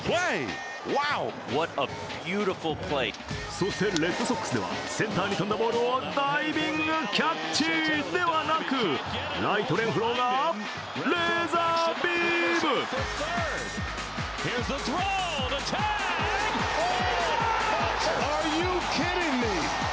そしてレッドソックスではセンターに飛んだボールをダイビングキャッチではなく、ライトレンフローがレーザービーム。